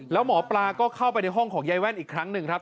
แล้วหมอปลาก็เข้าไปในห้องของยายแว่นอีกครั้งหนึ่งครับ